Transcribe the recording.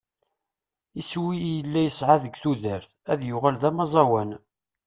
Iswi i yella yesεa-t deg tudert : ad yuɣal d ameẓẓawan.